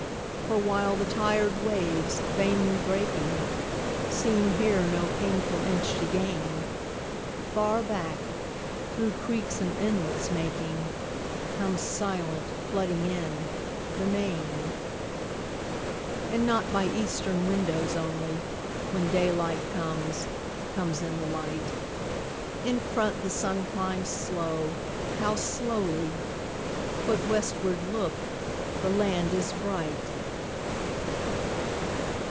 For while the tired waves, vainly breaking, Seem here no painful inch to gain, Far back, through creeks and inlets making, Comes silent, flooding in, the main. And not by eastern windows only, When daylight comes, comes in the light; In front the sun climbs slow, how slowly! But westward, look, the land is bright!